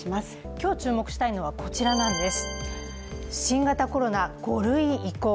今日注目したいのはこちらなんです。